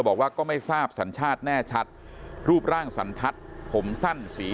บอกว่าก็ไม่ทราบสัญชาติแน่ชัดรูปร่างสันทัศน์ผมสั้นสี